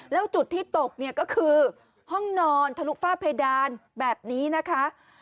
แล้วจุดที่ตกก็คือห้องนอนธนุษย์ฝ้าเพดานแบบนี้นะคะ